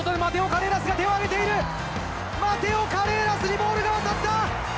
マテオ・カレーラスにボールが渡った！